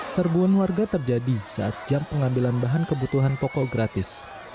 serbuan warga terjadi saat jam pengambilan bahan kebutuhan pokok gratis